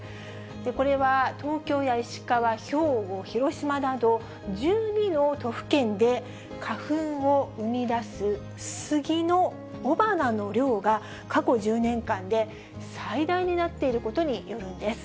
これは東京や石川、兵庫、広島など１２の都府県で花粉を生み出すスギの雄花の量が、過去１０年間で最大になっていることによるんです。